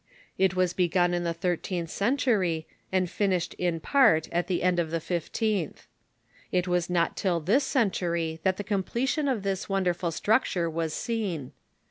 It was begun in the thir teenth century and finished in part at the end of the fifteenth. It was not till this century that the completion of this won derful structure was seen.